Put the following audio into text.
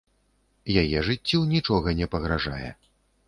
Яе жыццю нічога не пагражае.